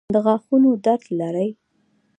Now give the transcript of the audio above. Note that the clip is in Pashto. د غاښونو درد لرئ؟